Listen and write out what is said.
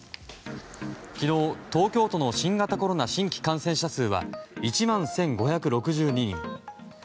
昨日、東京都の新型コロナ新規感染者数は１万１５６２人。